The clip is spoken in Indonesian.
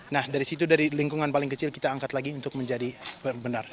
nah dari situ dari lingkungan paling kecil kita angkat lagi untuk menjadi benar